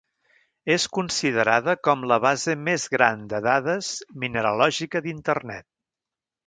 És considerada com la base més gran de dades mineralògica d'internet.